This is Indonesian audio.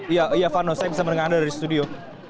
iya iya vano saya bisa mendengar anda dari studio